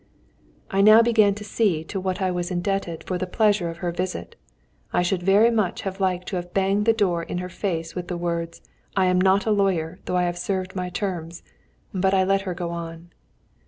I now began to see to what I was indebted for the pleasure of her visit. I should very much have liked to have banged the door in her face with the words: "I am not a lawyer, though I have served my terms!" But I let her go on.